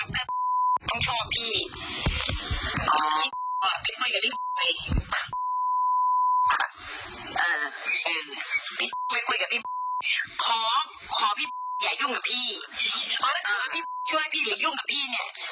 ก็จะจะให้พี่มากขึ้นเนี่ย